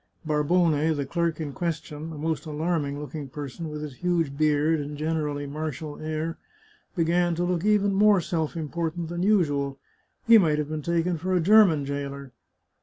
Barbone, the clerk in question, a most alarming looking person, with his huge beard and generally martial air, began to look even more self important than usual ; he might have been taken for a German jailer.